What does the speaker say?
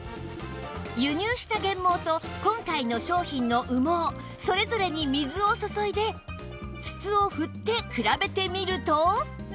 輸入した原毛と今回の商品の羽毛それぞれに水を注いで筒を振って比べてみると